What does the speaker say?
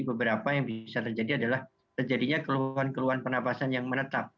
beberapa yang bisa terjadi adalah terjadinya keluhan keluhan penapasan yang menetap